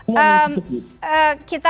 semua minum sedikit